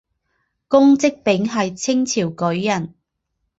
龚积柄是清朝举人。